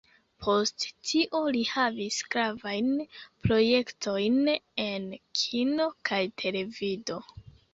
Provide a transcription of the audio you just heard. Post tio li havis gravajn projektojn en kino kaj televido.